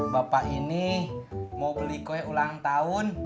bapak ini mau beli kue ulang tahun